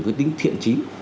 cái tính thiện trí